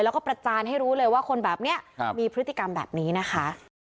แล้วก็ประจานให้รู้เลยว่าคนแบบนี้มีพฤติกรรมแบบนี้นะคะ